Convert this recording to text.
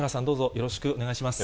よろしくお願いします。